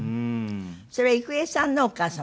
それは郁恵さんのお母様？